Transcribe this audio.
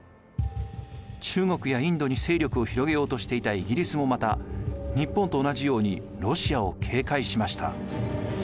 中国やインドに勢力を広げようとしていたイギリスもまた日本と同じようにロシアを警戒しました。